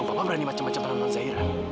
bapak berani macam macam menangani zahir